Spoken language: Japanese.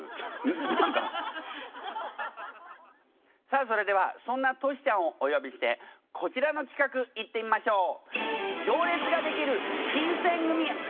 さあそれではそんなトシちゃんをお呼びしてこちらの企画いってみましょう。